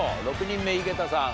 ６人目井桁さん